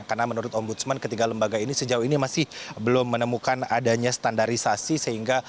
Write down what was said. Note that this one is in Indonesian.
karena menurut ombudsman ketiga lembaga ini sejauh ini masih belum menemukan adanya standarisasi